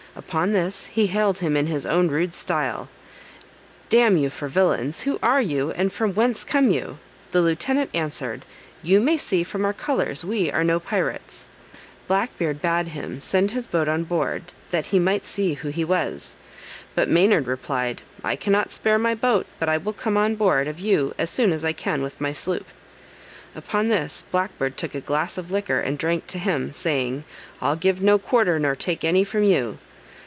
Upon this he hailed him in his own rude style, "D n you for villains, who are you, and from whence come you?" The lieutenant answered, "You may see from our colors we are no pirates." Black Beard bade him send his boat on board, that he might see who he was. But Maynard replied, "I cannot spare my boat, but I will come on board of you as soon as I can with my sloop." Upon this Black Beard took a glass of liquor and drank to him, saying, "I'll give no quarter nor take any from you."